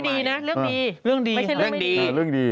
ไม่ได้เป็นเรื่องไม่ดีนะเรื่องดี